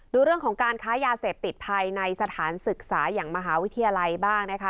ดูเรื่องของการค้ายาเสพติดภายในสถานศึกษาอย่างมหาวิทยาลัยบ้างนะคะ